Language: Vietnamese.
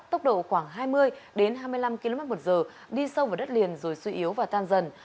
tốc độ khoảng hai mươi hai mươi năm kmh đi sâu vào đất liền rồi suy yếu và tan dần